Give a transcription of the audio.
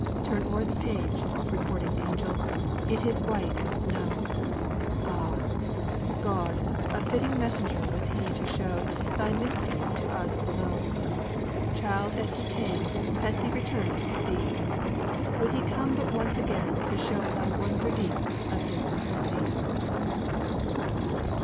Turn o'er the page, Recording Angel, it is white as snow! Ah, God, a fitting messenger was he To show Thy mysteries to us below! Child as he came has he returned to Thee! Would he could come but once again to show The wonder deep of his simplicity!